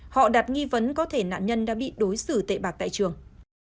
họ đặt nghi vấn có thể nạn nhân đã bị đối xử tệ bạc tại trường